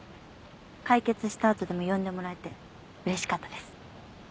解決したあとでも呼んでもらえてうれしかったです。